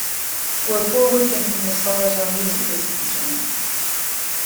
We're forward thinking as far as our music is concerned.